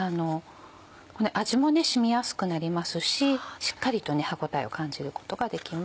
味も染みやすくなりますししっかりと歯応えを感じることができます。